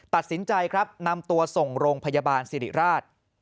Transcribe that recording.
ตัดสินใจครับนำตัวส่งโรงพยาบาลสิริราช